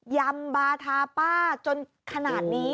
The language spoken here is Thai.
ยำบาธาป้าจนขนาดนี้